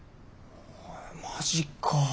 マジかあ。